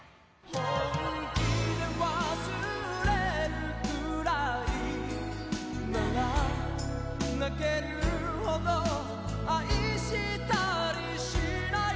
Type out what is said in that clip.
「本気で忘れるくらいなら」「泣けるほど愛したりしない」